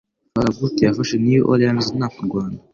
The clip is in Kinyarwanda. Farragut yafashe New Orleans nta kurwana.